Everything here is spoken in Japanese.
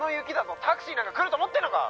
タクシーなんか来ると思ってんのか